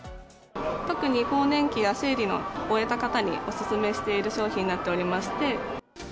特に更年期や生理を終えた方にお勧めしている商品になっておりまして。